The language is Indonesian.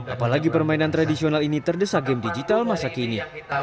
apalagi permainan tradisional ini terdesak game digital masa kini